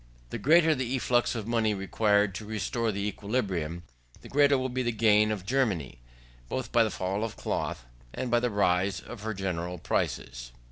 The greater the efflux of money required to restore the equilibrium, the greater will be the gain of Germany; both by the fall of cloth, and by the rise of her general prices.